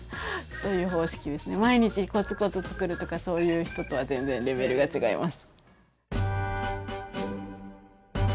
毎日コツコツ作るとかそういう人とは全然レベルが違います。